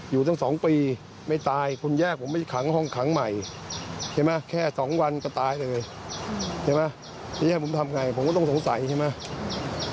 ใช่ไหมจะให้ผมทำอย่างไรผมก็ต้องสงสัยใช่ไหม